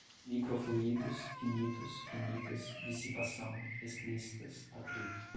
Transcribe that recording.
microfluidos, finitos, finitas, dissipação, explícitas, atrito